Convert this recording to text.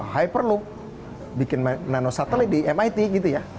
hyperloop bikin nanosatellite di mit gitu ya